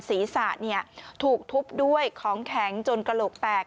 ศีรษะถูกทุบด้วยของแข็งจนกระโหลกแตก